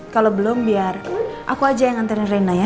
kalau belum biar aku aja yang nganterin rena ya